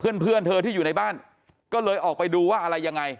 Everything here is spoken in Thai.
เพื่อนเพื่อนเธอที่อยู่ในบ้านก็เลยออกไปดูว่าอะไรยังไง